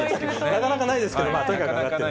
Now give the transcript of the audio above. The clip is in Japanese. なかなかないですけど、とにかく上がってる。